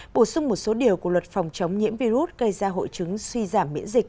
bổ sung một số điều của luật phòng chống nhiễm virus gây ra hội chứng suy giảm miễn dịch